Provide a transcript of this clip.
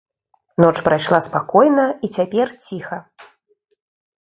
Ноч прайшла спакойна і цяпер ціха.